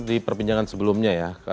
di perbincangan sebelumnya ya